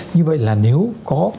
như vậy là nếu có